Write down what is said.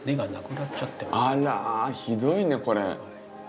あらひどいねこれ。